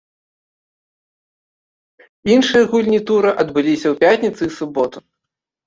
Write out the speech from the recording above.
Іншыя гульні тура адбыліся ў пятніцу і суботу.